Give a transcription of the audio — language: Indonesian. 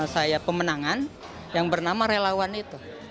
saya pemenangan yang bernama relawan itu